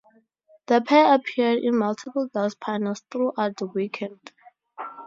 The pair appeared in multiple guest panels throughout the weekend.